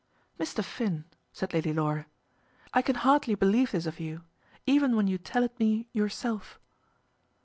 "Mr. Finn," said Lady Laura, "I can hardly believe this of you, even when you tell it me yourself."